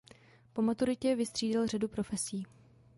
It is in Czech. Po maturitě vystřídal řadu profesí.